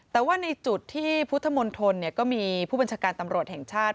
แต่ว่าในจุดที่พุทธมนตรก็มีผู้บัญชาการตำรวจแห่งชาติ